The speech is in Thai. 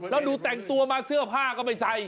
แล้วดูแต่งตัวมาเสื้อผ้าก็ไม่ใส่